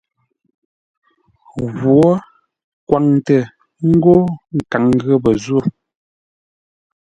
Ngwǒ kwaŋtə ńgó nkaŋ ghəpə́ zô.